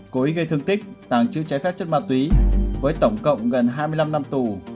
cố ý gây thương tích tàng trữ trái phép chất ma túy với tổng cộng gần hai mươi năm năm tù